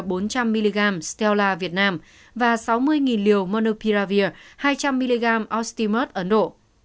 monopiravir bốn trăm linh mg stela việt nam và sáu mươi liều monopiravir hai trăm linh mg ostimut ấn độ